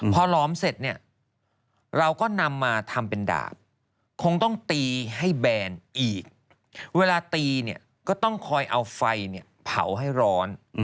พอหลอมเสร็จเนี่ยเราก็นำมาทำเป็นดาบคงต้องตีให้แบนอีกเวลาตีเนี่ยก็ต้องคอยเอาไฟเผาให้ร้อน